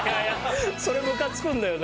それムカつくんだよな。